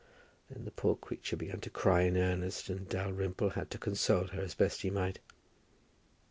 Then the poor creature began to cry in earnest, and Dalrymple had to console her as best he might.